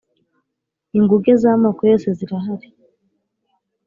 inguge z'amoko yose zirahari